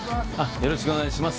よろしくお願いします